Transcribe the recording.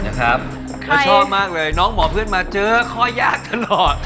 แล้วชอบมากเลยน้องหมอเพื่อนมาเจอข้อยากตลอด